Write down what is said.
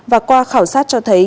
và qua khảo sát cho thấy